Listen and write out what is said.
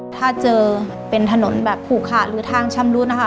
ถ้าเจอเป็นถนนแบบผูกขาดหรือทางชำรุดนะคะ